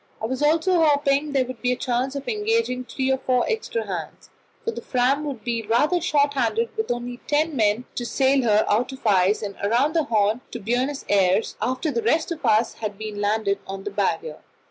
I was also hoping that there would be a chance of engaging three or four extra hands, for the Fram would be rather short handed with only ten men to sail her out of the ice and round the Horn to Buenos Aires after the rest of us had been landed on the Barrier.